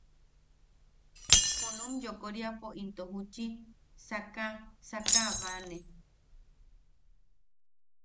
Junum yoʼokoriapo into juchi sakasakane.